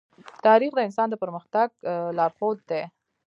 تاریخ د انسان د پرمختګ لارښود دی.